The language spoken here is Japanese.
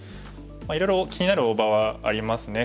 いろいろ気になる大場はありますね。